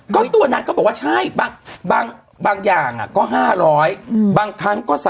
ก็ตัวนางก็บอกว่าใช่บางอย่างก็๕๐๐บางครั้งก็๓๐๐